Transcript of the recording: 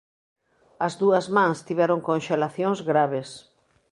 As dúas mans tiveron conxelacións graves.